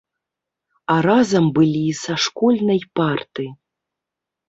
А разам былі са школьнай парты.